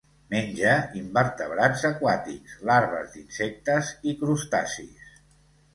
Menja invertebrats aquàtics, larves d'insectes i crustacis.